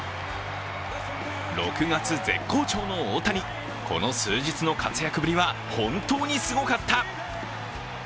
６月絶好調の大谷、この数日の活躍ぶりは本当にすごかった。